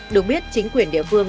được biết chính quyền địa phương